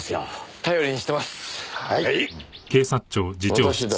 頼りにしてます。